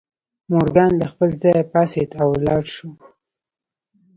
مورګان له خپل ځایه پاڅېد او ولاړ شو